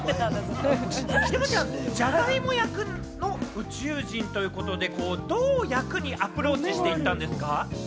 山ちゃん、ジャガイモ役の宇宙人ということで、どう役にアプローチしていたんですか？